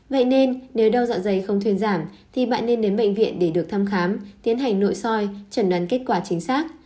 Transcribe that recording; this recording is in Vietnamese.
vậy nên nếu đau dạ dày không thuyền giảm thì bạn nên đến bệnh viện để được thăm khám tiến hành nội soi trần đấn kết quả chính xác